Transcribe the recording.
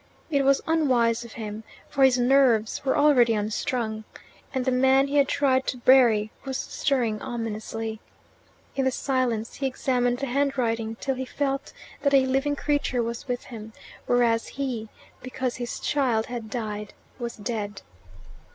It was unwise of him, for his nerves were already unstrung, and the man he had tried to bury was stirring ominously. In the silence he examined the handwriting till he felt that a living creature was with him, whereas he, because his child had died, was dead.